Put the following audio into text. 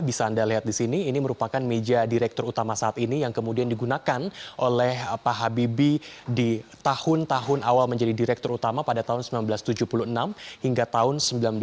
bisa anda lihat di sini ini merupakan meja direktur utama saat ini yang kemudian digunakan oleh pak habibie di tahun tahun awal menjadi direktur utama pada tahun seribu sembilan ratus tujuh puluh enam hingga tahun seribu sembilan ratus sembilan puluh